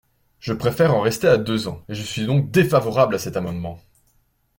Je préfère en rester à deux ans et je suis donc défavorable à cet amendement.